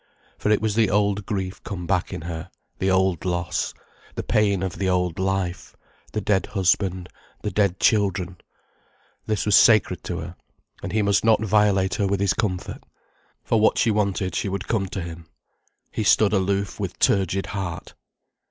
For it was the old grief come back in her, the old loss, the pain of the old life, the dead husband, the dead children. This was sacred to her, and he must not violate her with his comfort. For what she wanted she would come to him. He stood aloof with turgid heart.